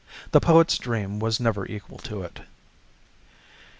The poet's dream was never equal to it.